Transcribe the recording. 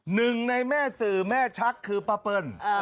หนึ่งในแม่สื่อแม่ชักคือป้าเปิ้ล